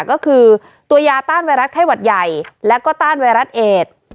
ก็คือตัวยาต้านไวรัสไข้หวัดใหญ่แล้วก็ต้านไวรัสเอด